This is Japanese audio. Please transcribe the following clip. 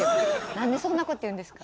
何でそんなこと言うんですか？